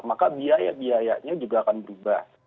maka biaya biayanya juga akan berubah